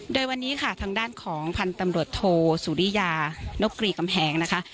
โดยวันนี้ค่ะทางด้านของพันธุ์ตำรวจโทสุริยานกรีกำแพงนะคะ